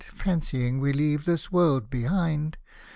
Fancying we leave this world behind.